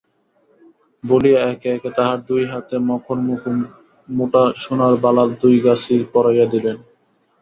বলিয়া একে একে তাহার দুই হাতে মকরমুখো মোটা সোনার বালা দুইগাছি পরাইয়া দিলেন।